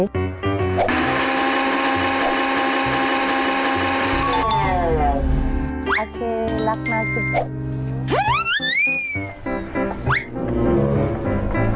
โอเครักมากสิ